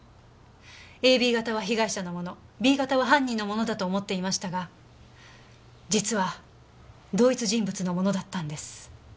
ＡＢ型は被害者のものＢ型は犯人のものだと思っていましたが実は同一人物のものだったんです。